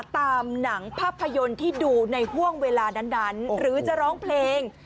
ตามหนังภาพยนตร์ที่ดูในห่วงเวลานั้นหรือจะร้องเพลง